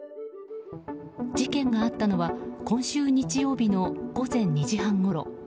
事件があったのは今週日曜日の午前２時半ごろ。